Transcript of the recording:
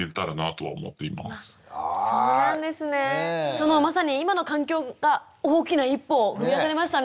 そのまさに今の環境が大きな一歩を踏み出されましたね。